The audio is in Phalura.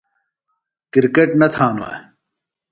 کرکٹ نہ تھانوے ؟